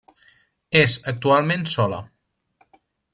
És actualment sola.